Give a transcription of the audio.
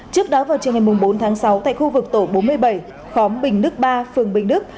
trước đó vào chiều ngày bốn tháng sáu tại khu vực tổ bốn mươi bảy khóm bình đức ba phường bình đức